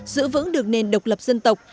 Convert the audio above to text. giữ vững được nền độc lập dân tộc